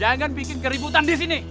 hei jangan bikin keributan disini